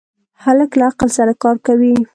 هلک له عقل سره کار کوي.